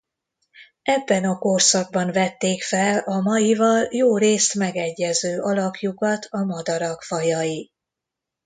Ebben a korszakban vették fel a maival jórészt megegyező alakjukat a madarak fajai.